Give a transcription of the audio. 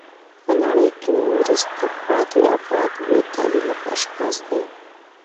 په نړۍ کښي وروسته پاته افراد بې تعلیمه اشخاص دي.